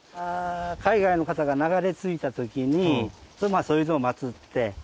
海外の方が流れ着いたときにそういう人をまつって。